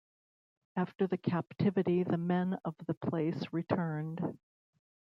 After the captivity the men of the place returned.